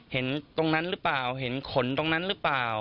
เห็นตรงนั้นหรือเปล่าเห็นขนตรงนั้นหรือเปล่า